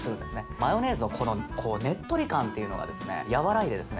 マヨネーズのこのねっとり感っていうのがですねやわらいでですね